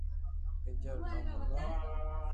تيجا رو نوم مونو ھي